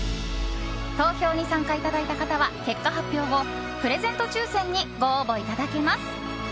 投票に参加いただいた方は結果発表後プレゼント抽選にご応募いただけます。